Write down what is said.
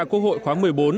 quốc hội khóa một mươi bốn